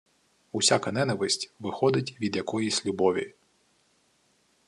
Усяка ненависть виходить від якоїсь любові.